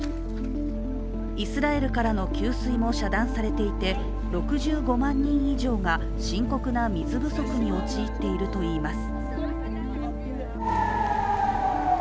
イスラエルからの給水も遮断されていて６５万人以上が深刻な水不足に陥っているといいます。